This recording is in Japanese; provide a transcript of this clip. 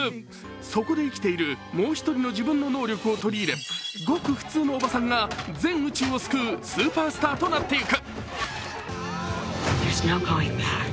そこで生きているもう一人の自分の能力を取り入れごく普通のおばさんが全宇宙を救うスーパースターとなっていく。